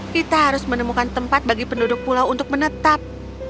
kita harus menemukan tempat bagi penduduk pulau untuk menetap